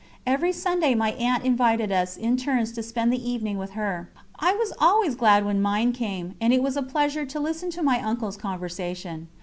Every Sunday my aunt invited us in turns to spend the evening with her. I was always glad when mine came, and it was a pleasure to listen to my uncle's conversation.